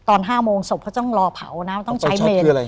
ศพตอน๕โมงศพเขาต้องรอเผานะต้องใช้เมน